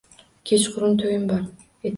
Kechkurun to`yim bor